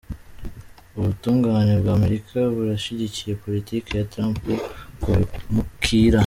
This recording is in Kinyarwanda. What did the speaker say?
Ubutungane bwa Amerika burashigikiye politike ya Trump ku bimukira.